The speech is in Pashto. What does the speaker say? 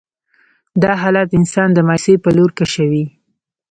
دا حالات انسان د مايوسي په لور کشوي.